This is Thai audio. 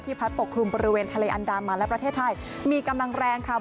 พัดปกคลุมบริเวณทะเลอันดามันและประเทศไทยมีกำลังแรงค่ะ